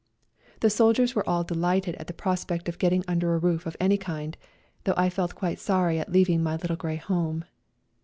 The soldiers were all delighted at the prospect of getting under a roof of any kind, though I felt quite sorry at leaving my Little Grey Home.